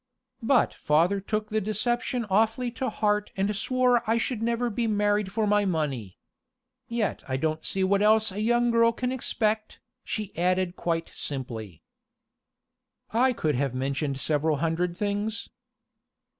But father took the deception awfully to heart and swore I should never be married for my money. Yet I don't see what else a young girl can expect," she added quite simply. I could have mentioned several hundred things.